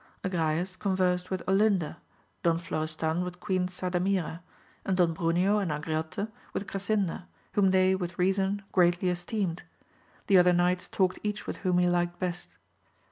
Agrayes con versed with Olinda, Don Florestan with Queen Sarda AMADIS OF GAUL, 99 mira, and Don Briineo and Angriote with Grasinda whom they with reiEison greatly esteemed ; the other knights talked each with whom he liked best.